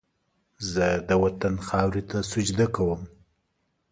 زه د وطن خاورې ته سجده کوم